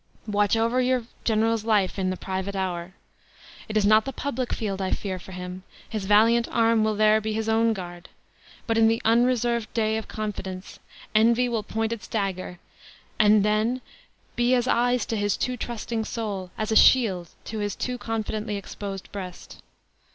Watch over your general's life in the private hour. It is not the public field I fear for him; his valiant arm will there be his own guard! But, in the unreserved day of confidence, envy will point its dagger; and then, be as eyes to his too trusting soul as a shield to his too confidently exposed breast!"